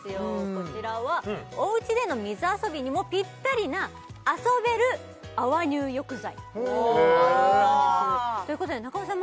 こちらはおうちでの水遊びにもぴったりな遊べる泡入浴剤なんですということで中尾さん